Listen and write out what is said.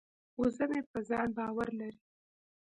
وزه مې په ځان باور لري.